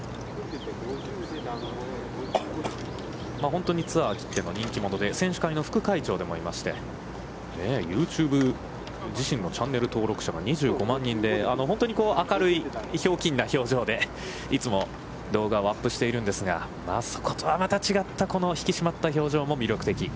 本当にツアー切っての人気者で選手会の副会長でもありまして、ユーチューブ、自身のチャンネル登録者が２５万人で、本当に明るい、ひょうきんな表情でいつも動画をアップしているんですが、そことはまたちょっと違った引き締まった表情も魅力的。